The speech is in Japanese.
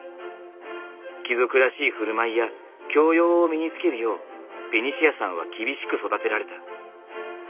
貴族らしい振る舞いや教養を身につけるようベニシアさんは厳しく育てられた。